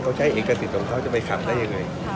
เขาใช้เอกสิทธิ์ของเขาจะไปขับได้ยังไง